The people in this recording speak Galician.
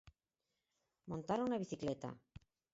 Montaron na bicicleta.